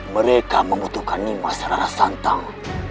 mereka membutuhkan lima serara santang